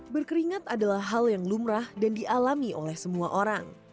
berkeringat adalah hal yang lumrah dan dialami oleh semua orang